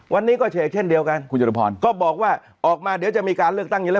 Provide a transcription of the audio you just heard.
วันนี้ก็เฉกเช่นเดียวกันคุณจรพรก็บอกว่าออกมาเดี๋ยวจะมีการเลือกตั้งอยู่แล้ว